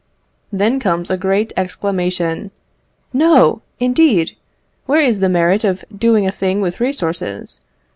Then comes a great exclamation: "No! indeed! where is the merit of doing a thing with resources?